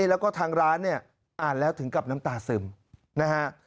แล้วก็ทางร้านเนี่ยอ่านแล้วถึงกับน้ำตาซึมนะฮะ